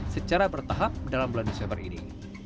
secara bertahap dalam bulan desember ini